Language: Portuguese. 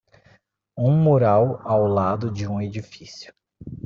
Um mural ao lado de um edifício.